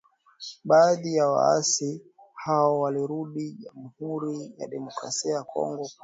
Baadhi ya waasi hao walirudi Jamuhuri ya Demokrasia ya Kongo kwa hiari